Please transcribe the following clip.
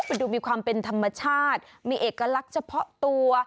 มันดูมีความเป็นธรรมชาติมีเอกลักษณ์เฉพาะตัว